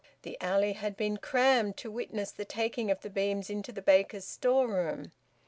The alley had been crammed to witness the taking of the beams into the baker's storeroom.